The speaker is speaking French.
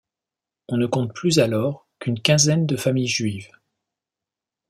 On ne compte plus alors qu’une quinzaine de familles juives.